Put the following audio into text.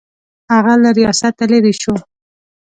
هغه له ریاسته لیرې شو.